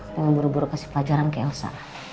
dengan buru buru kasih pelajaran ke elsa